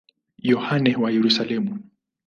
Yohane wa Yerusalemu.